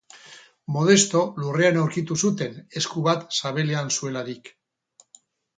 Modesto lurrean aurkitu zuten, esku bat sabelean zuelarik.